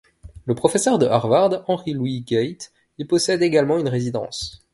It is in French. Le professeur de Harvard Henry Louis Gates y possède également une résidence.